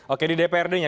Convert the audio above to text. oke di dprd nya